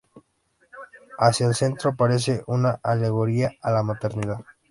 Hacia el centro aparece una alegoría a la maternidad.